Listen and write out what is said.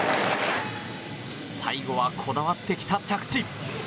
最後は、こだわってきた着地。